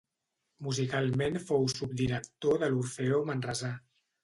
Musicalment fou subdirector de l'Orfeó Manresà.